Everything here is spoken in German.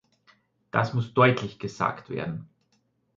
Das muss deutlich gesagt werden.